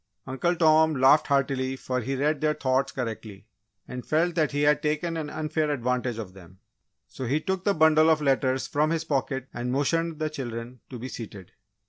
Uncle Tom laughed heartily for he read their thoughts correctly, and felt that he had taken an unfair advantage of them. So, he took the bundle of letters from his pocket and motioned the children to be seated.